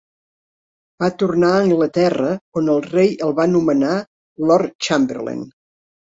Va tornar a Anglaterra, on el rei el va anomenar Lord Chamberlain.